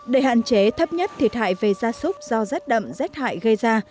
để hạn chế thấp nhất thiệt hại về gia súc do rách đậm rách hại gây ra